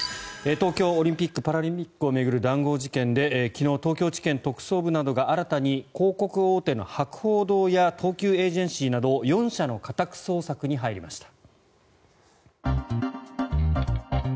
東京オリンピック・パラリンピックを巡る談合事件で昨日、東京地検特捜部などが新たに広告大手の博報堂や東急エージェンシーなど４社の家宅捜索に入りました。